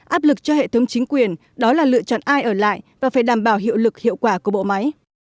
áp lực cho hệ thống chính quyền đó là lựa chọn ai ở lại và phải đảm bảo hiệu lực hiệu quả của bộ máy